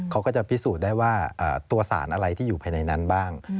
เขาก็จะพิสูจน์ได้ว่าตัวสารอะไรที่อยู่ภายในนั้นบ้าง